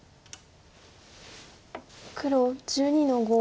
黒１２の五。